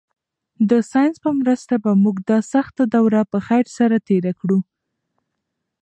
د ساینس په مرسته به موږ دا سخته دوره په خیر سره تېره کړو.